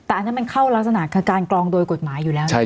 แต่อันนั้นมันเข้ารักษณะคือการกรองโดยกฎหมายอยู่แล้วใช่ไหม